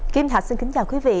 kim thạch xin kính chào quý vị